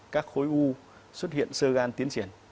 các khối u xuất hiện sơ gan tiến triển